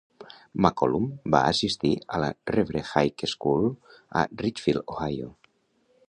McCollum va assistir a la Revere High School a Richfield, Ohio.